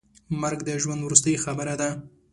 مرګ د ژوند وروستۍ خبره ده.